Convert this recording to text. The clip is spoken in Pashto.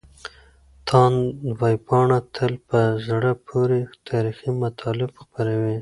تاند ویبپاڼه تل په زړه پورې تاريخي مطالب خپروي.